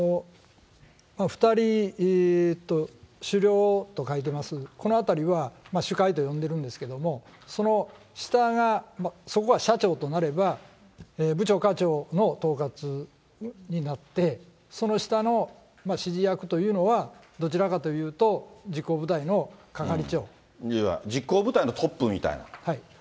２人と、首領と書いてます、このあたりは、首魁と呼んでいるんですけど、その下がそこが社長となれば、部長、課長の統括になって、その下の指示役というのは、どちらかというと、実行部隊のトップみたいな？